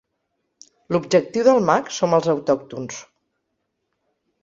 L'objectiu del mag som els autòctons.